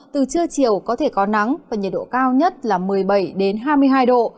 từ trưa chiều có thể có nắng và nhiệt độ cao nhất là một mươi bảy hai mươi hai độ